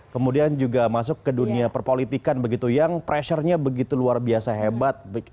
kemudian juga masuk ke dunia perpolitikan begitu yang pressure nya begitu luar biasa hebat